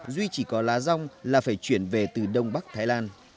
duy chỉ có lá rong là phải chuyển về từ đông bắc thái lan